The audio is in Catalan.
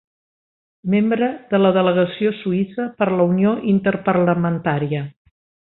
Membre de la Delegació Suïssa per la Unió Interparlamentària.